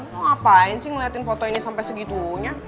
mau ngapain sih ngeliatin foto ini sampai segitunya